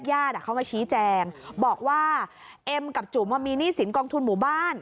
ญาติเขามาชี้แจงบอกว่าเอ็มกับจุ๋มมีหนี้สินกองทุนหมู่บ้าน